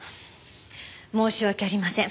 申し訳ありません。